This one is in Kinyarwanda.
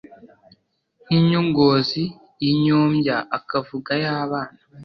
Nk'inyongozi y'inyombya Akavuga ay'abana